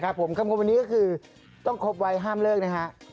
คำคมวันนี้ก็คือต้องครบไว้ห้ามเลิกนะฮะ